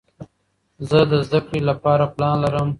زه د زده کړې له پاره پلان لرم.